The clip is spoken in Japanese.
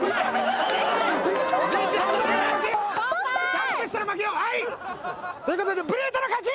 タップしたら負けよはい。ということでブルートの勝ち！